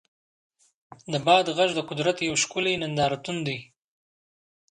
د باد غږ د قدرت یو ښکلی نندارتون دی.